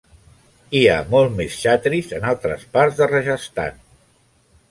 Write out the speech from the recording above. Hi ha molts més chhatris en altres parts de Rajasthan.